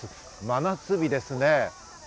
真夏日ですね。